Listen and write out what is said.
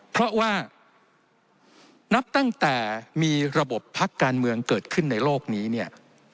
เพราะว่านับตั้งแต่มีระบบพักการเมืองเกิดขึ้นในโลกนี้เนี่ย